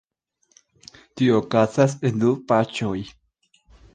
Tio okazas en du paŝoj.